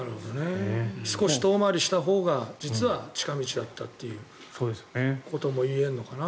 少し遠回りしたほうが実は近道だったことが言えるのかな。